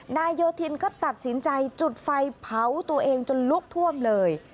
โยธินก็ตัดสินใจจุดไฟเผาตัวเองจนลุกท่วมเลย